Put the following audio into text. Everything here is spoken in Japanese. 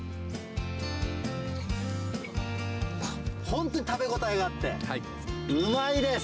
本当に食べ応えがあってうまいです。